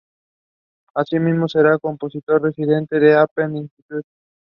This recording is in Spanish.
Así mismo, será compositor-residente en el Aspen Institute.